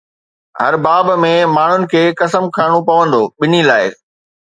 هن باب ۾ ماڻهن کي قسم کڻڻو پوندو، ٻنهي لاءِ